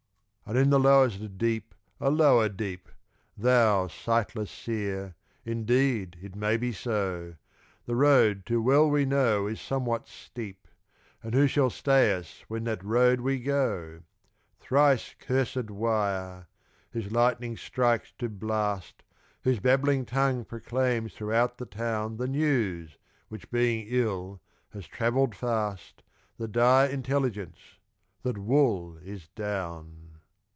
"And in the lowest deep a lower deep," Thou sightless seer, indeed it may be so, The road to well, we know is somewhat steep, And who shall stay us when that road we go? Thrice cursèd wire, whose lightning strikes to blast, Whose babbling tongue proclaims throughout the town The news, which, being ill, has travelled fast, The dire intelligence that wool is down.